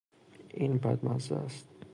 این بد مزه است.